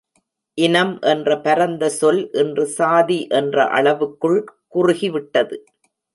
இனம் என்ற பரந்த சொல் இன்று சாதி என்ற அளவுக்குள் குறுகிவிட்டது.